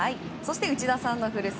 内田さんの古巣